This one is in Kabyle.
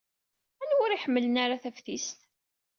Anwa ur iḥemmlen ara taftist?